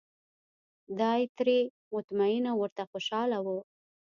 دای ترې مطمین او ورته خوشاله و.